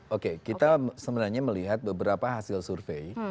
oke kita sebenarnya melihat beberapa hasil survei